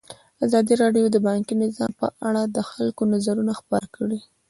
ازادي راډیو د بانکي نظام په اړه د خلکو نظرونه خپاره کړي.